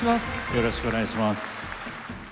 よろしくお願いします。